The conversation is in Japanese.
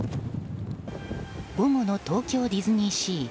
午後の東京ディズニーシー。